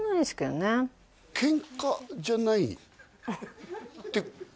「ケンカじゃない」